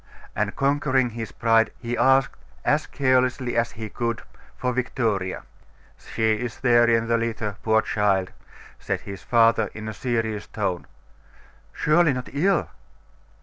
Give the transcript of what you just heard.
And, conquering his pride, he asked, as carelessly as he could, for Victoria. 'She is there in the litter, poor child!' said her father in a serious tone. 'Surely not ill?